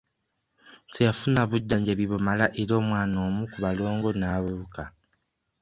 Teyafuna bujjanjabi bumala era omwana omu ku balongo n'abuuka.